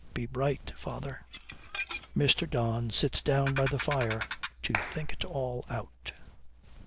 'Be bright, father.' Mr. Don sits down by the fire to think it all out.